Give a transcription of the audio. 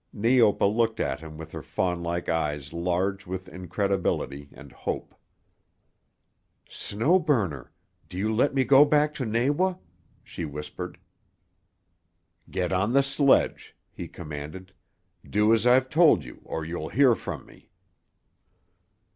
Neopa looked at him with her fawn like eyes large with incredibility and hope. "Snow Burner! Do you let me go back to Nawa?" she whispered. "Get on the sledge," he commanded. "Do as I've told you, or you'll hear from me."